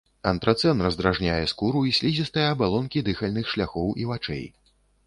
Антрацэн раздражняе скуру і слізістыя абалонкі дыхальных шляхоў і вачэй.